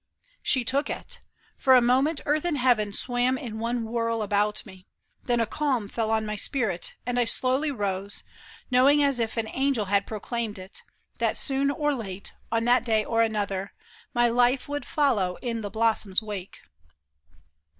She took it ; for a moment earth and heaven Swam in one whirl about me, then a calm Fell on my spirit, and I slowly rose, Knowing as if an angel had proclaimed it, That soon or late, on that day or another, My life would follow in the blossom's wake.